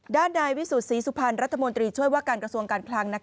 ด้านนายวิสุทธิสุพรรณรัฐมนตรีช่วยว่าการกระทรวงการคลัง